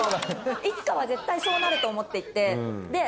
いつかは絶対そうなると思っていて。